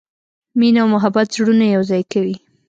مینه او محبت زړونه یو ځای کوي.